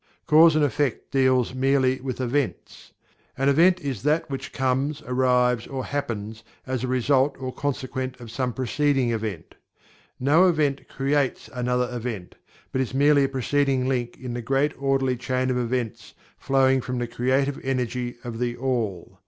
Cause and Effect deals merely with "events." An "event" is "that which comes, arrives or happens, as a result or consequent of some preceding event." No event "creates" another event, but is merely a preceding link in the great orderly chain of events flowing from the creative energy of THE ALL.